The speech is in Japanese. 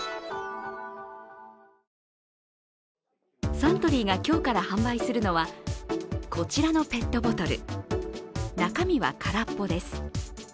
サントリーが今日から販売するのはこちらのペットボトル、中身は空っぽです。